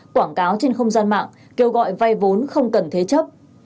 quảng cáo trên không gian mạng kêu gọi vay vốn không cần thế chấp